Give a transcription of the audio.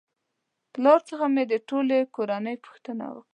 پلار څخه مې د ټولې کورنۍ پوښتنه وکړه